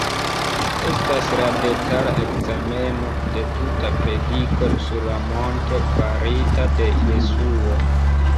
Estas detala ekzameno de tuta prediko sur la monto farita de Jesuo.